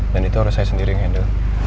dan itu harus saya sendiri yang handle